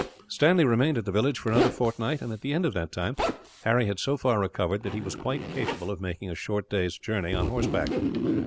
Stanley remained at the village for another fortnight and, at the end of that time, Harry had so far recovered that he was quite capable of making a short day's journey on horseback.